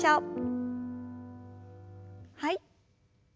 はい。